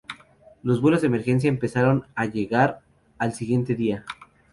Los vuelos de emergencia empezaron a llegar al siguiente día.